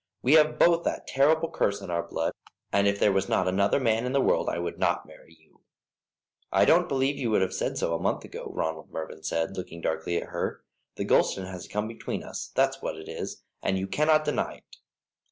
We have both that terrible curse in our blood, and if there was not another man in the world I would not marry you." "I don't believe you would have said so a month ago," Ronald Mervyn said, looking darkly at her. "This Gulston has come between us, that's what it is, and you cannot deny it."